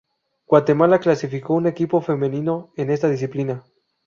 Guatemala clasificó un equipo femenino en esta disciplina.